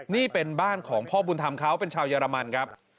นี่เป็นบ้านของพ่อบุญธรรมเขาเป็นชาวเยอรมันครับ